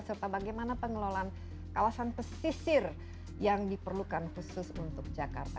serta bagaimana pengelolaan kawasan pesisir yang diperlukan khusus untuk jakarta